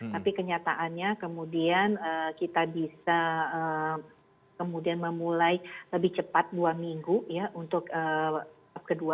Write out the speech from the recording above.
tapi kenyataannya kemudian kita bisa kemudian memulai lebih cepat dua minggu ya untuk tahap kedua